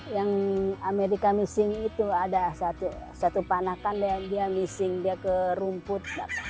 yang amerika missing itu ada satu panahkan dia missing dia ke rumput